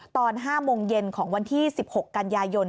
ตอน๕โมงเย็นของวันที่๑๖กันยายน